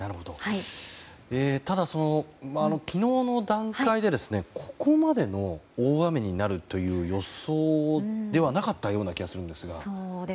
ただ、昨日の段階でここまでの大雨になるという予想ではなかったような気がするんですが。